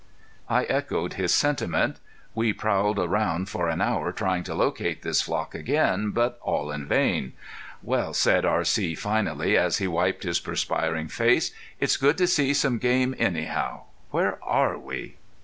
I echoed his sentiments. We prowled around for an hour trying to locate this flock again, but all in vain. "Well," said R.C. finally, as he wiped his perspiring face, "it's good to see some game anyhow.... Where are we?"